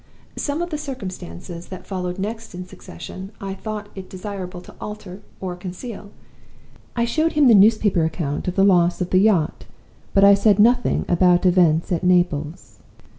Some of the circumstances that followed next in succession I thought it desirable to alter or conceal. I showed him the newspaper account of the loss of the yacht, but I said nothing about events at Naples.